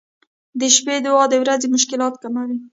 • د شپې دعا د ورځې مشکلات کموي.